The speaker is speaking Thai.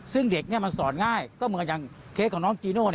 ซึ่งเด็กมันสอนง่ายก็เหมือนกับอย่างเคสของน้องจีโน่